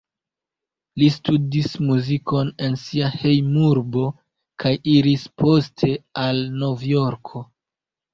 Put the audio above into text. Li studis muzikon en sia hejmurbo kaj iris poste al Novjorko.